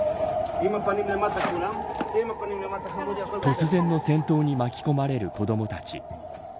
突然の戦闘に巻き込まれる子どもたち。